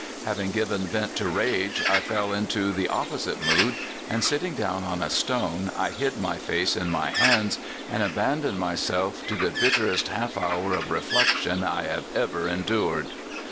Having given vent to rage, I fell into the opposite mood, and, sitting down on a stone, I hid my face in my hands, and abandoned myself to the bitterest half hour of reflection I have ever endured."